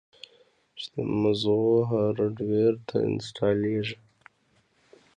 چې د مزغو هارډوئېر ته انسټاليږي